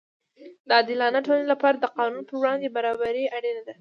د عادلانه ټولنې لپاره د قانون پر وړاندې برابري اړینه ده.